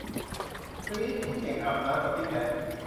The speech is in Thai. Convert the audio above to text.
กรี๊ด พี่เก่งอาบน้ำกับพี่แพท